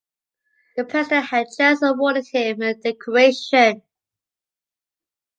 The President has just awarded him a decoration.